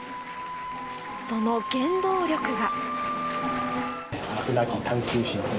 その原動力が。